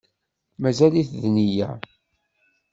Mazal-it d-nniya